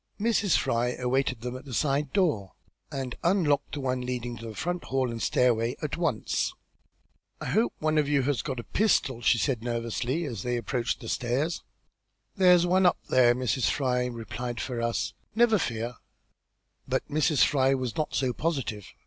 Mrs. Fry awaited them at the side door, and unlocked the one leading to the front hall and stairway at once. "I hope one of you has got a pistol," she said, nervously, as they approached the stairs. "There's no one up there, Mrs. Fry," replied Ferrars. "Never fear." But Mrs. Fry was not so positive.